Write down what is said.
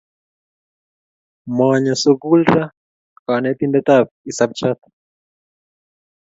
Manyo sukul ra kanetindet ap isapchat.